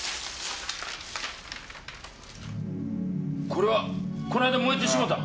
これはこの間燃えてしもうた。